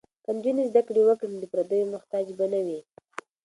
که نجونې زده کړې وکړي نو د پردیو محتاج به نه وي.